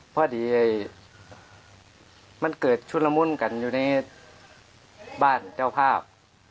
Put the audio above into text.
พอดีมันเกิดชุดละมุนกันอยู่ในบ้านเจ้าภาพ